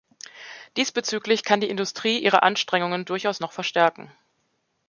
Diesbezüglich kann die Industrie ihre Anstrengungen durchaus noch verstärken.